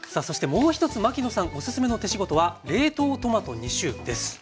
もう一つ牧野さんおすすめの手仕事は冷凍トマト２種です。